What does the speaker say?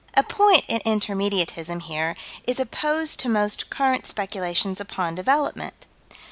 A point in Intermediatism here is opposed to most current speculations upon Development.